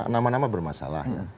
nama nama bermasalah ya